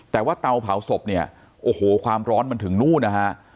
แต่ว่าเตาเผาศพเนี่ยโอ้โหความร้อนมันถึงนู่นนะฮะ